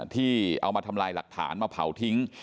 ที่เอามาทำลายหลักฐานมาเผาทิ้ง